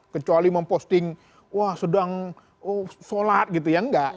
kecuali memposting wah sedang sholat gitu ya enggak